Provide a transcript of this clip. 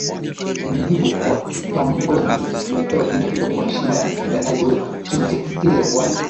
Alinijibu kuwa kitongoji hiki kimepewa jina hilo kwa heshima ya mpiganaji huyo Kinjekitile Ngwale